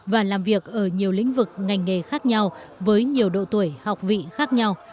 và làm việc ở nhiều lĩnh vực ngành nghề khác nhau với nhiều độ tuổi học vị khác nhau